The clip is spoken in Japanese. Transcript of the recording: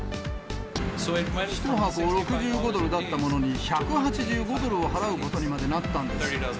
１箱６５ドルだったものに、１８５ドルを払うことにまでなったんです。